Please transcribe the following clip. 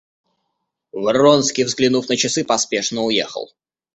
Вронский, взглянув на часы, поспешно уехал.